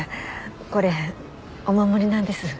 これお守りなんです。